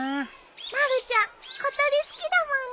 まるちゃん小鳥好きだもんね。